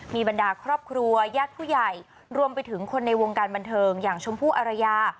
มีบรรดาครอบครัวญาติผู้ใหญ่รวมไปถึงคนในวงการบันเทิงอย่างชมพู่อารยา